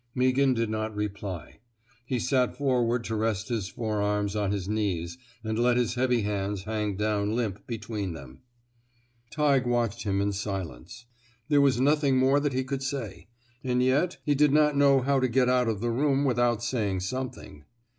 Meaghan did not reply. He sank forward to rest his forearms on his knees and let his heavy hands hang down limp between them. Tighe watched him in silence. There was nothing more that he could say, and yet he did not know how to get out of the room without saying something.